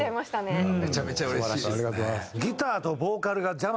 めちゃめちゃうれしいですね。